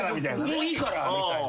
「もういいから」みたいな。